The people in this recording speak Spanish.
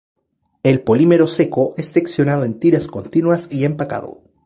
El polímero seco es seccionado en tiras continuas y empacado.